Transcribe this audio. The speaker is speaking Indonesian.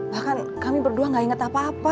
bahkan kami berdua gak ingat apa apa